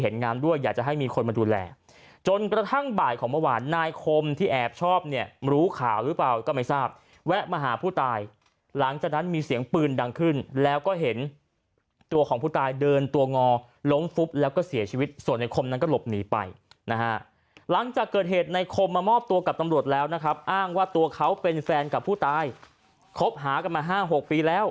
อยากจะให้มีคนมาดูแลจนกระทั่งบ่ายของเมื่อวานนายคมที่แอบชอบเนี่ยรู้ข่าวหรือเปล่าก็ไม่ทราบแวะมาหาผู้ตายหลังจากนั้นมีเสียงปืนดังขึ้นแล้วก็เห็นตัวของผู้ตายเดินตัวงอล้มฟุบแล้วก็เสียชีวิตส่วนในคมนั้นก็หลบหนีไปนะฮะหลังจากเกิดเหตุในคมมามอบตัวกับตำรวจแล้วนะครับอ้างว่าตัวเขาเป็นแฟนกับผู้ตายคบหากันมา๕๖ปีแล้ว